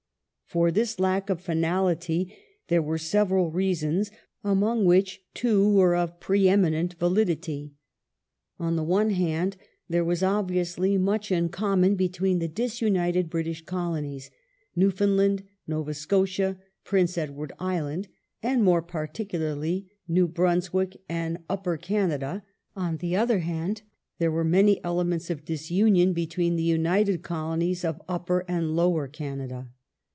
For this lack of finality there were several reasons, among which two were of pre eminent validity. On the one hand, there was obviously much in common between the disunited British Colonies : Newfoundland, Nova Scotia, Prince Edward Island, and, more particularly. New Brunswick and Upper Canada ; on the other hand, there were many elements of disunion between the united Colonies of Upper and Lower Canada.